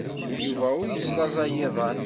Yuba ur yeslaẓay iḍan.